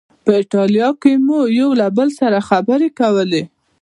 په ایټالوي کې مو یو له بل سره خبرې کولې.